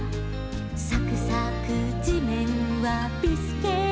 「さくさくじめんはビスケット」